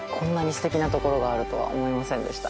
すてきな所があるとは思いませんでした。